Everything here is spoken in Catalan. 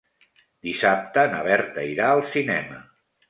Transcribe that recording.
Dissabte na Berta irà al cinema.